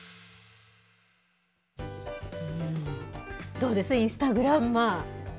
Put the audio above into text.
どうです、インスタグランマ。